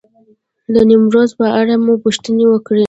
د نیمروز په اړه مو پوښتنې وکړې.